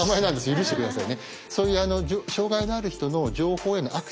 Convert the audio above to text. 許して下さいね。